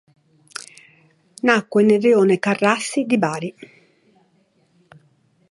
Nacque nel rione Carrassi di Bari.